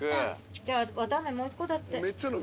じゃあ、綿あめもう１個だって。